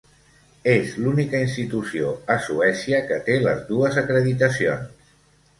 És l'única institució a Suècia que té les dues acreditacions.